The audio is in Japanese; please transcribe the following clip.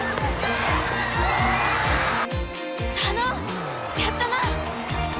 佐野やったな。